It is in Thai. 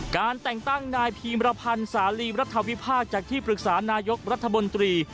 การแต่งตั้งนายพีมรพันธ์สาลีรัฐวิพากษ์จากที่ปรึกษานายกรัฐมนตรี